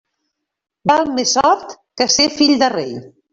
Val més sort que ser fill de rei.